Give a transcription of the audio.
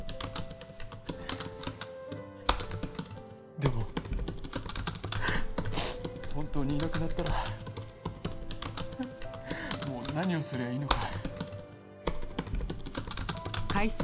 でも本当にいなくなったらもう何をすりゃいいのか。